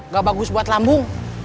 gak bagus buat lambung